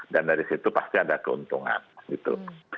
dan dari situ pasti ada keuntungan gitu